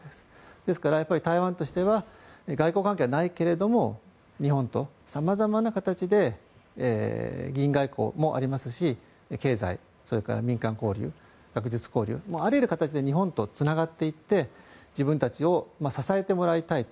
ですから、台湾としては外交関係はないけれども日本と様々な形で議員外交もありますし経済、それから民間交流学術交流あらゆる形で日本とつながっていって自分たちを支えてもらいたいと。